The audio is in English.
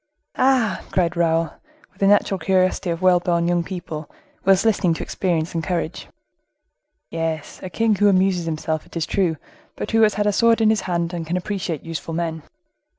"Ah!" cried Raoul, with the natural curiosity of well born young people, while listening to experience and courage. "Yes, a king who amuses himself, it is true, but who has had a sword in his hand, and can appreciate useful men.